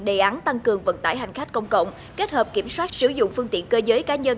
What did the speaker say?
đề án tăng cường vận tải hành khách công cộng kết hợp kiểm soát sử dụng phương tiện cơ giới cá nhân